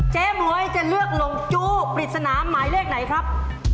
หมวยจะเลือกหลงจู้ปริศนาหมายเลขไหนครับ